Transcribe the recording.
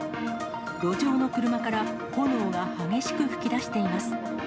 路上の車から炎が激しく噴き出しています。